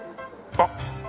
あっ！